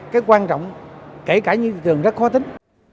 cái quan trọng kể cả như thị trường rất khó tính